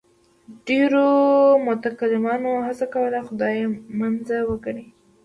ډېرو متکلمانو هڅه کوله خدای منزه وګڼي.